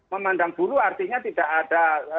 memandang buruh artinya tidak ada